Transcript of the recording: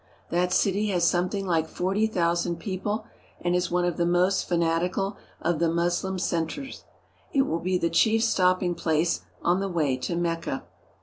That city has something like forty thousand people and is one of the most fanatical of the Moslem centres. It will be the chief stopping place on the way to Mecca.